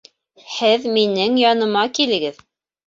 Һеҙ минең яныма килегеҙ.